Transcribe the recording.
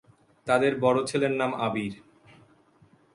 তাদের বড় ছেলের নাম আবীর।